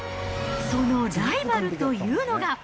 そのライバルというのが。